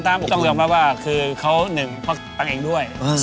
ต้องลองดูนะว่าคือเขา๑ตังค์เองด้วย